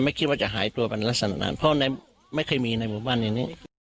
คิดว่าจะหายตัวไปลักษณะนั้นเพราะไม่เคยมีในหมู่บ้านอย่างนี้